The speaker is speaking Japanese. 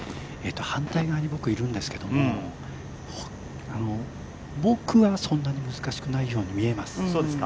反対側にいるんですけど僕はそんなに難しくないように見えます。